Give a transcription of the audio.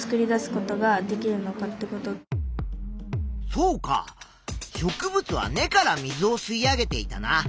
そうか植物は根から水をすい上げていたな。